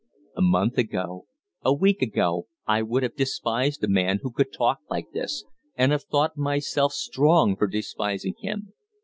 A month ago a week ago I would have despised a man who could talk like this and have thought myself strong for despising him.